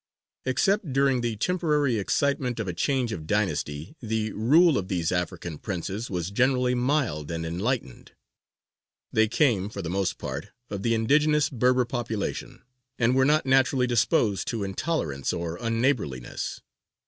Except during the temporary excitement of a change of dynasty, the rule of these African princes was generally mild and enlightened. They came, for the most part, of the indigenous Berber population, and were not naturally disposed to intolerance or unneighbourliness.